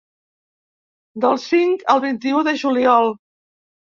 Del cinc al vint-i-u de juliol.